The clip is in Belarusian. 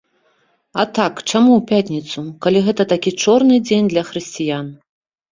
А так, чаму ў пятніцу, калі гэта такі чорны дзень для хрысціян?